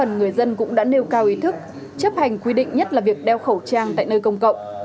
người dân cũng đã nêu cao ý thức chấp hành quy định nhất là việc đeo khẩu trang tại nơi công cộng